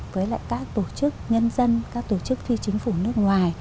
với các tổ chức nhân dân các tổ chức phi chính phủ nước ngoài